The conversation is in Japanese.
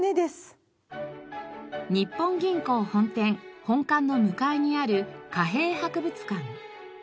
日本銀行本店本館の向かいにある貨幣博物館。